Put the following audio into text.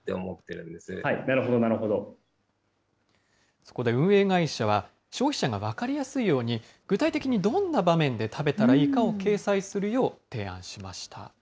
そこで運営会社は、消費者が分かりやすいように、具体的にどんな場面で食べたらいいかを掲載するよう提案しました。